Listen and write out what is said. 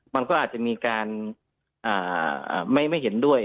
มันก็อาจจะมีการไม่เห็นด้วย